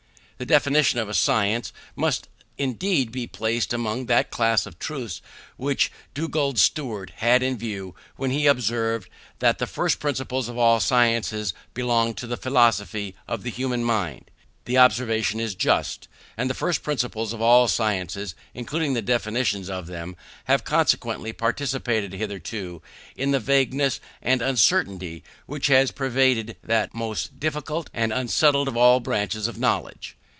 The definition of a science must, indeed, be placed among that class of truths which Dugald Stewart had in view, when he observed that the first principles of all sciences belong to the philosophy of the human mind. The observation is just; and the first principles of all sciences, including the definitions of them, have consequently participated hitherto in the vagueness and uncertainty which has pervaded that most difficult and unsettled of all branches of knowledge.